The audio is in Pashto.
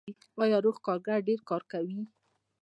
آیا روغ کارګر ډیر کار کوي؟